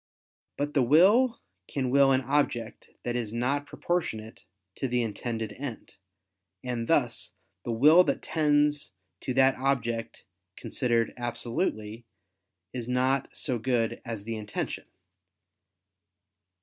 But the will can will an object that is not proportionate to the intended end: and thus the will that tends to that object considered absolutely, is not so good as the intention.